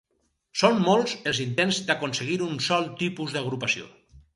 Són molts els intents d'aconseguir un sol tipus d'agrupació.